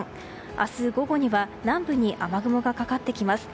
明日午後には南部に雨雲がかかってきます。